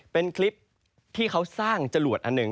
เป็นคลิปที่เขาสร้างจรวดอันหนึ่ง